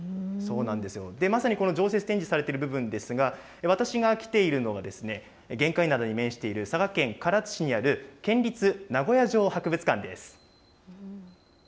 まさにこの常設展示されてる部分ですが、私が来ているのが玄界灘に面している佐賀県唐津市にある県立名護屋城博物館です。